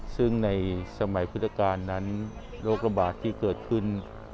ซึ่งในสมัยพุทธกาลนั้นโรคระบาดที่เกิดขึ้น